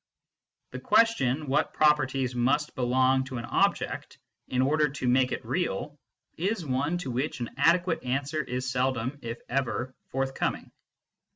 The question what properties must belong to an object in order to make it real is one to which an adequate answer is seldom if ever forthcoming.